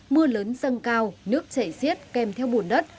mưa lớn sân cao nước chảy xiết kèm theo buồn đất